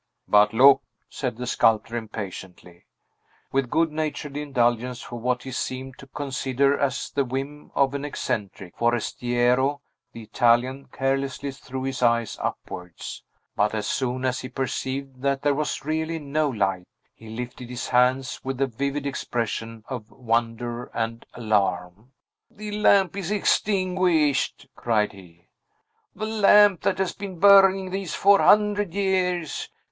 "But look!" said the sculptor impatiently. With good natured indulgence for what he seemed to consider as the whim of an eccentric Forestiero, the Italian carelessly threw his eyes upwards; but, as soon as he perceived that there was really no light, he lifted his hands with a vivid expression of wonder and alarm. "The lamp is extinguished!" cried he. "The lamp that has been burning these four hundred years!